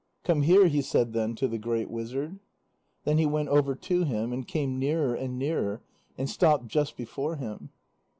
"Come here," he said then, to the great wizard. Then he went over to him, and came nearer and nearer, and stopped just before him.